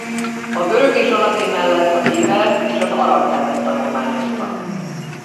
A görög és a latin mellett a héber és az arab nyelvet tanulmányozta.